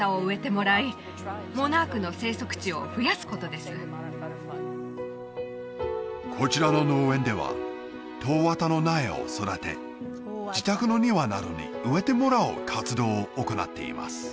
まずはそしてこちらの農園ではトウワタの苗を育て自宅の庭などに植えてもらう活動を行っています